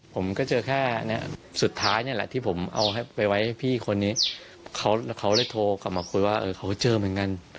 ผมก็เจอแค่เนี้ยสุดท้ายนี่แหละที่ผมเอาไปไว้พี่คนนี้เขาเลยโทรกลับมาคุยว่าเขาเจอเหมือนกัน